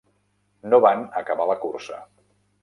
No van acabar la cursa.